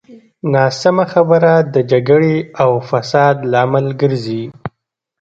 ناسمه خبره د جګړې او فساد لامل ګرځي.